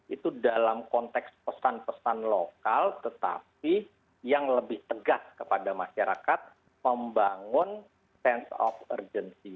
itu dalam konteks pesan pesan lokal tetapi yang lebih tegas kepada masyarakat membangun sense of urgency